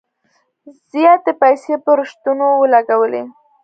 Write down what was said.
زیاتي پیسې په رشوتونو ولګولې.